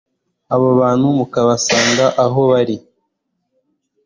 abo bantu mukabasanga aho bari